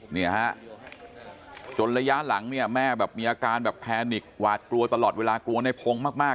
เนี่ยฮะจนระยะหลังเนี่ยแม่แบบมีอาการแบบแพนิกหวาดกลัวตลอดเวลากลัวในพงศ์มาก